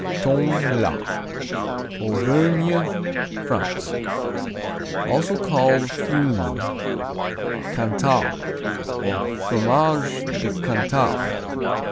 Tome, la Auvergne, France Also called Fourme, Cantal, or Fromage de Cantal.